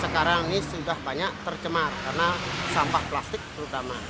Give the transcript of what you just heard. karena ini sudah banyak tercemar karena sampah plastik terutama